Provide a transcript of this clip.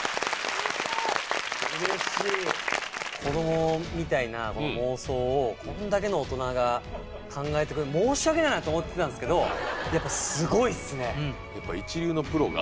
子どもみたいな妄想をこれだけの大人が考えてくれるの申し訳ないなと思ってたんですけどやっぱすごいですね。